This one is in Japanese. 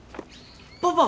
パパ！